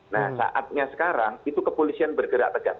nah saatnya sekarang itu kepolisian bergerak tegas